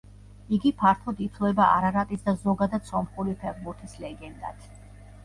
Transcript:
იგი ფართოდ ითვლება არარატის და ზოგადად სომხური ფეხბურთის ლეგენდად.